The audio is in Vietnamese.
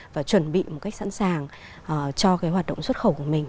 và chuẩn bị một cách sẵn sàng cho cái hoạt động xuất khẩu của mình